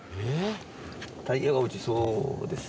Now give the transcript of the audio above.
タイヤが落ちそうです。